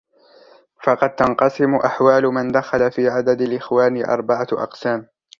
فَقَدْ تَنْقَسِمُ أَحْوَالُ مَنْ دَخَلَ فِي عَدَدِ الْإِخْوَانِ أَرْبَعَةُ أَقْسَامٍ